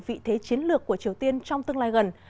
vị thế chiến lược của triều tiên trong tương lai gần